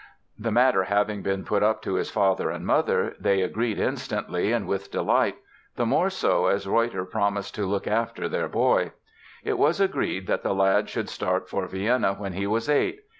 The matter having been put up to his father and mother, they agreed instantly and with delight, the more so as Reutter promised "to look after their boy." It was agreed that the lad should start for Vienna when he was eight.